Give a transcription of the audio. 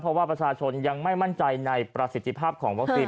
เพราะว่าประชาชนยังไม่มั่นใจในประสิทธิภาพของวัคซีน